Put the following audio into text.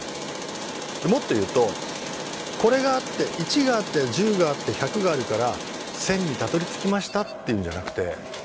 もっと言うとこれがあって１があって１０があって１００があるから１，０００にたどりつきましたっていうんじゃなくてまあ